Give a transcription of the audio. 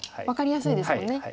分かりやすいですもんね。